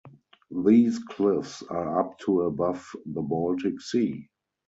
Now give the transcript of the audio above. These cliffs are up to above the Baltic Sea.